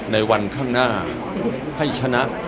ในวันข้างหน้าให้ชนะ